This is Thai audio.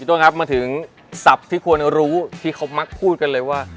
ต้นครับมาถึงศัพท์ที่ควรรู้ที่เขามักพูดกันเลยว่า